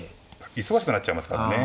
忙しくなっちゃいますからね